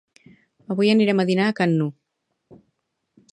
Avui anirem a dinar a can Nu